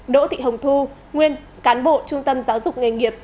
đỗ thị hồng thu nguyên cán bộ trung tâm giáo dục nghề nghiệp